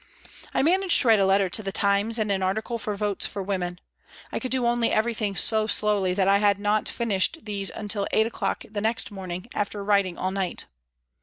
I managed to write a letter to the Times and an article for Votes for Women, I could only do every thing so slowly that I had not finished these until eight o'clock the next morning, after writing all night.